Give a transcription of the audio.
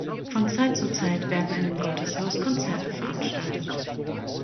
Von Zeit zu Zeit werden in dem Gotteshaus Konzerte veranstaltet.